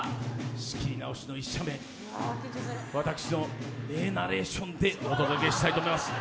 仕切り直しの１射目私の名ナレーションでお届けしたいと思います